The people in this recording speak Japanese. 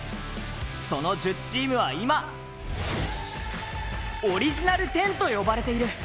その１０チームは今、オリジナル１０と呼ばれている。